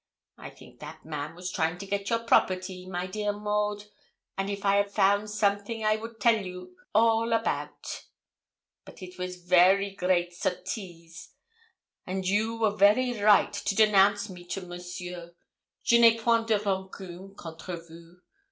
I think that man was trying to get your property, my dear Maud, and if I had found something I would tell you all about. But it was very great sottise, and you were very right to denounce me to Monsieur. Je n'ai point de rancune contre vous.